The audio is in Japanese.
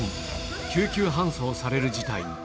救急搬送される事態に。